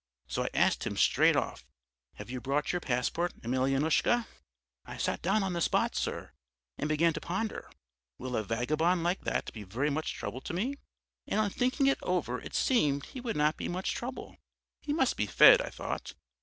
So I asked him straight off: Have you brought your passport, Emelyanoushka?' "I sat down on the spot, sir, and began to ponder: will a vagabond like that be very much trouble to me? And on thinking it over it seemed he would not be much trouble. He must be fed, I thought.